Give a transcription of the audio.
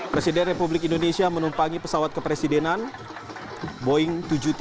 presiden republik indonesia menumpangi pesawat kepresidenan boeing tujuh ratus tiga puluh